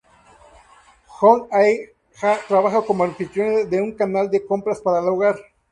Hong Ae Ja trabaja como anfitriona de un canal de compras para el hogar.